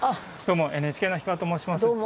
どうもＮＨＫの樋川と申します。